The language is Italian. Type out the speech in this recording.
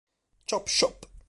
Chop Shop